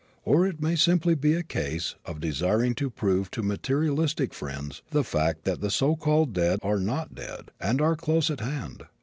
Or it may simply be a case of desiring to prove to materialistic friends the fact that the so called dead are not dead, and are close at hand.